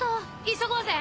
急ごうぜ！